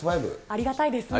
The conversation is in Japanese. ありがたいですね。